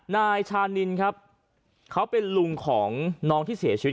นายชานินครับเขาเป็นลุงของน้องที่เสียชีวิต